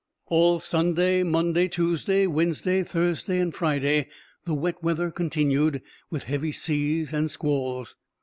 All Sunday, Monday, Tuesday, Wednesday, Thursday, and Friday, the wet weather continued, with heavy seas and squalls.